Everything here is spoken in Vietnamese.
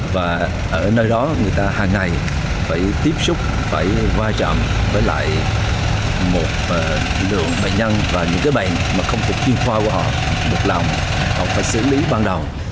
và ở nơi đó người ta hàng ngày phải tiếp xúc phải qua trạm với lại một lượng bệnh nhân và những cái bệnh mà không phải chuyên khoa của họ được làm hoặc phải xử lý ban đầu